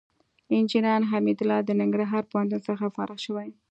انجينر حميدالله د ننګرهار پوهنتون څخه فارغ شوى.